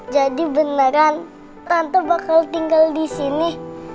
jadi beneran tante bakal tinggal disini